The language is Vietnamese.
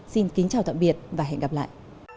xin kính chào tạm biệt và hẹn gặp lại